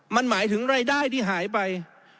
มันหมายถึงรายได้ที่หายไป